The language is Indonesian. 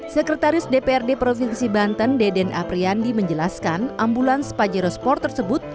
sekretaris dprd provinsi banten deden apriandi menjelaskan ambulans pajero sport tersebut